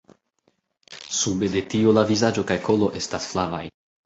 Sube de tio la vizaĝo kaj kolo estas flavaj.